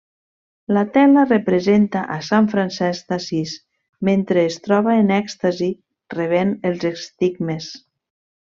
La tela representa a Sant Francesc d'Assís mentre es troba en èxtasi rebent els estigmes.